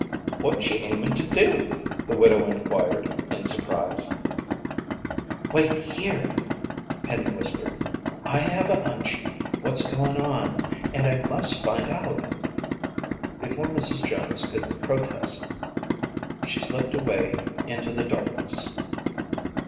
"What ye aimin' to do?" the widow inquired in surprise. "Wait here!" Penny whispered. "I have a hunch what's going on and I must find out!" Before Mrs. Jones could protest, she slipped away into the darkness.